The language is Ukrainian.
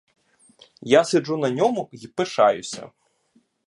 Я сиджу на ньому й пишаюся.